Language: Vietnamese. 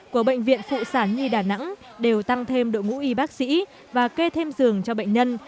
của bệnh viện phụ sản nhi đà nẵng đều tăng thêm đội ngũ y bác sĩ và kê thêm giường cho bệnh nhân